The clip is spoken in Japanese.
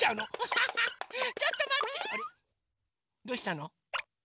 どうしたの？